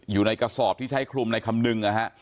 อยู่ในกระสอบที่ใช้คลุมในคำนึงนะฮะ